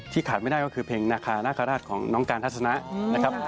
ที่ขาดไม่ได้ก็คือเพลงนาคาราฆราชของน้องการทัศนะ